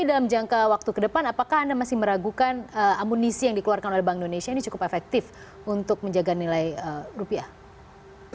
tapi dalam jangka waktu ke depan apakah anda masih meragukan amunisi yang dikeluarkan oleh bank indonesia ini cukup efektif untuk menjaga nilai rupiah